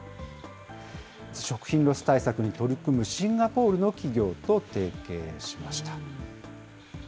食品ロス対策に取り組む、シンガポールの企業と提携しました。